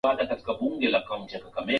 Ba ndeke bana arabisha ma mbeko ya yulu yulu